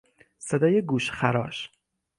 صدای گوشخراش